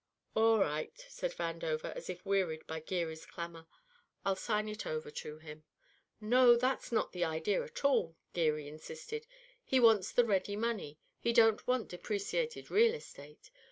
"All right," said Vandover, as if wearied by Geary's clamour, "I'll sign it over to him." "No, that's not the idea at all," Geary insisted. "He wants the ready money; he don't want depreciated real estate.